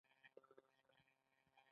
د آیینې له لارې رڼا انعکاس کوي.